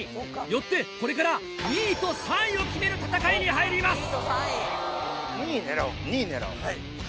よってこれから２位と３位を決める戦いに入ります！